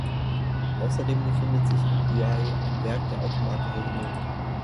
Außerdem befindet sich in Douai ein Werk der Automarke Renault.